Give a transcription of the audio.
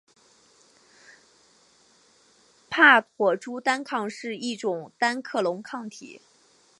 帕妥珠单抗是一种单克隆抗体。